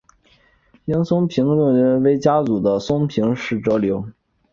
樱井松平家松平内膳信定为家祖的松平氏庶流。